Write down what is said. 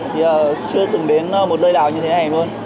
thì chưa từng đến một nơi nào như thế này luôn